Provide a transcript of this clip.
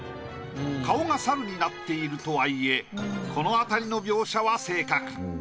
顔が猿になっているとはいえこのあたりの描写は正確。